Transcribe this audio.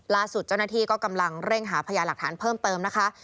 ล่าสุดเจ้าหน้าที่ก็กำลังเร่งหาพยาหลักฐานเพิ่มเติมนะคะ